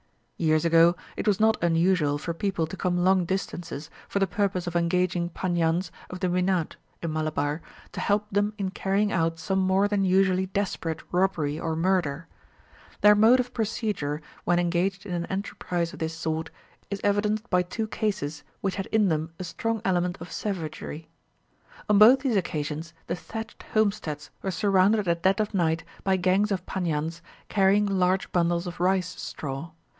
Years ago, it was not unusual for people to come long distances for the purpose of engaging Paniyans of the Wynad (in Malabar) to help them in carrying out some more than usually desperate robbery or murder. Their mode of procedure, when engaged in an enterprise of this sort, is evidenced by two cases, which had in them a strong element of savagery. On both these occasions, the thatched homesteads were surrounded at dead of night by gangs of Paniyans carrying large bundles of rice straw.